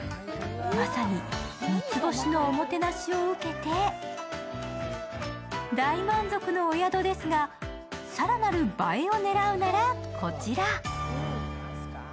まさに三ッ星のおもてなしを受けて大満足のお宿ですが、更なる映えを狙うならこちら。